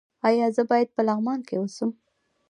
ایا زه باید په لغمان کې اوسم؟